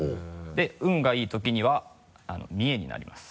で運がいい時には三重になります。